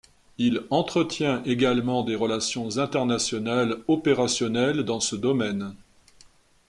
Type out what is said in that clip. Il entretient également des relations internationales opérationnelles dans ce domaine.